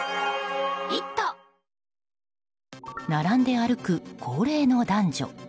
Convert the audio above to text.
並んで歩く高齢の男女。